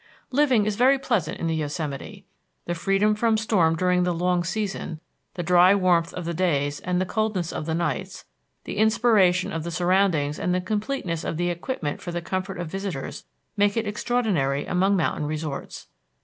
Living is very pleasant in the Yosemite. The freedom from storm during the long season, the dry warmth of the days and the coldness of the nights, the inspiration of the surroundings and the completeness of the equipment for the comfort of visitors make it extraordinary among mountain resorts.